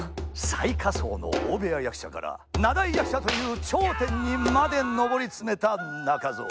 最下層の大部屋役者から名題役者という頂点にまで登り詰めた中蔵。